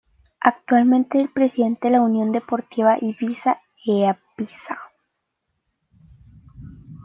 Actualmente es el presidente de la Unión Deportiva Ibiza-Eivissa.